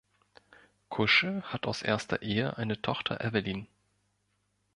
Kusche hat aus erster Ehe eine Tochter Eveline.